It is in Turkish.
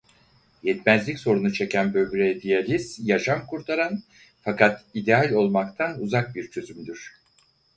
Yetmezlik sorunu çeken böbreğe diyaliz yaşam kurtaran fakat ideal olmaktan uzak bir çözümdür.